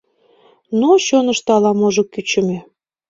Но чонышто ала-можо кӱчымӧ.